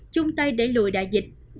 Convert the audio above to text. chúng ta để lùi đại dịch